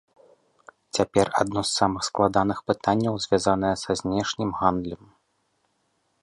Цяпер адно з самых складаных пытанняў звязанае са знешнім гандлем.